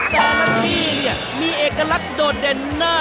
แต่ละที่เนี่ยมีเอกลักษณ์โดดเด่นหน้า